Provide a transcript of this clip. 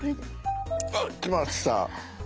あっ来ました！